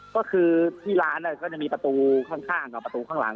ก็คือที่ร้านก็จะมีประตูข้างกับประตูข้างหลัง